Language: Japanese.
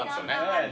はい。